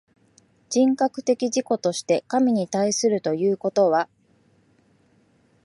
人格的自己として神に対するということは、